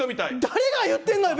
誰が言ってるのよ